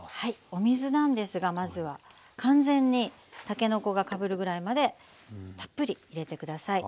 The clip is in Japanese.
お水なんですがまずは完全にたけのこがかぶるぐらいまでたっぷり入れてください。